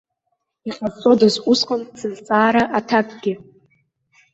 Иҟазҵодаз усҟан сызҵаара аҭакгьы?